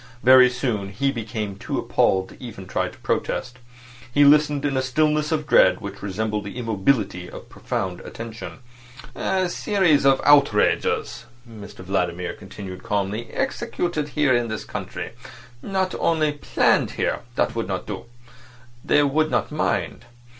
Very soon he became too appalled to even try to protest. He listened in a stillness of dread which resembled the immobility of profound attention. "A series of outrages," Mr Vladimir continued calmly, "executed here in this country; not only planned here—that would not do—they would not mind.